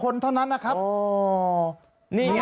นี่ไงนี่ไง